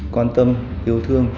quan tâm yêu thương